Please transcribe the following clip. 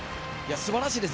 素晴らしいです。